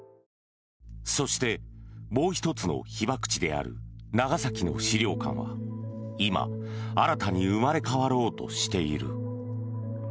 そして、もう１つの被爆地である長崎の資料館は今、新たに生まれ変わろうとしている。